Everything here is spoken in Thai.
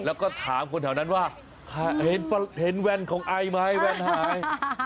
แล้วก็ถามคนแถวนั้นว่าเห็นแวนของไอไหมแวนหาย